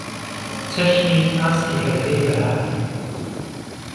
چهشنی ئاسکی ههردهی بههار